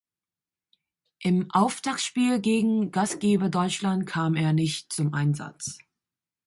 Im Auftaktspiel gegen Gastgeber Deutschland kam er nicht zum Einsatz.